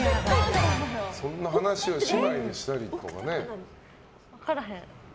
そんな話を姉妹でしたりはね。